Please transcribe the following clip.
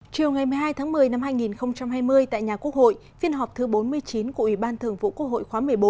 chiều ngày một mươi hai tháng một mươi năm hai nghìn hai mươi tại nhà quốc hội phiên họp thứ bốn mươi chín của ủy ban thường vụ quốc hội khóa một mươi bốn